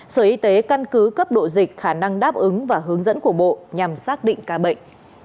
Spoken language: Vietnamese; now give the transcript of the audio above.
sở y tế căn cứ cấp độ dịch khả năng đáp ứng và hướng dẫn của bộ nhằm xác định ca bệnh